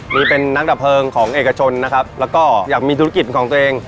นี่เป็นนักดับเพลิงของเอกชนนะครับแล้วก็อยากมีธุรกิจของตัวเอง